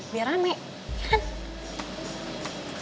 biar rame kan